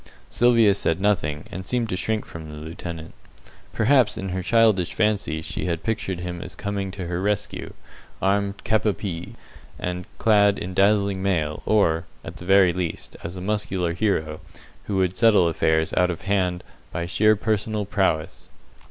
Sylvia said nothing, and seemed to shrink from the lieutenant. Perhaps in her childish fancy she had pictured him as coming to her rescue, armed cap a pie, and clad in dazzling mail, or, at the very least, as a muscular hero, who would settle affairs out of hand by sheer personal prowess.